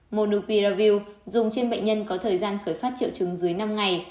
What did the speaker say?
monopiravild dùng trên bệnh nhân có thời gian khởi phát triệu chứng dưới năm ngày